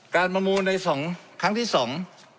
ประมูลในสองครั้งที่สอง